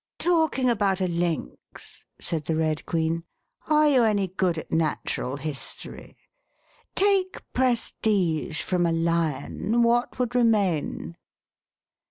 Talking about a Lynx," said the Red Queen, are you any good at Natural History.'^ Take pres tige from a Lion, what would remain